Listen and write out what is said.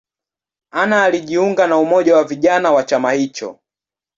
Anna alijiunga na umoja wa vijana wa chama hicho.